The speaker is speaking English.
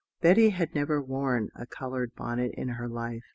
Betty had never worn a coloured bonnet in her life.